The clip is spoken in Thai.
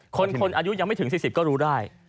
คนอายุยังไม่ถึง๔๐ก็รู้ได้